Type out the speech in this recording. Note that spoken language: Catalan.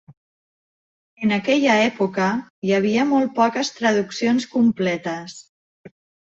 En aquella època hi havia molt poques traduccions completes.